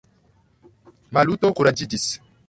Maluto kuraĝiĝis.